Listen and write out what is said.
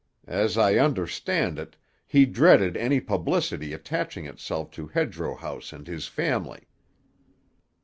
As I understand it, he dreaded any publicity attaching itself to Hedgerow House and his family."